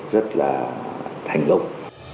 rất là thành công